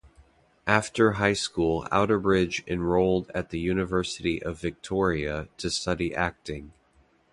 After high school Outerbridge enrolled at the University of Victoria to study acting.